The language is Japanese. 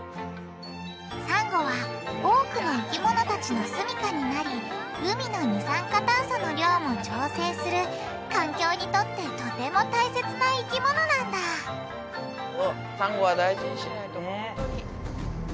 サンゴは多くの生き物たちの住みかになり海の二酸化炭素の量も調整する環境にとってとても大切な生き物なんだそうサンゴは大事にしないとほんとに。